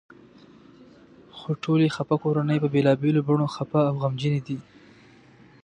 خو ټولې خپه کورنۍ په بېلابېلو بڼو خپه او غمجنې دي.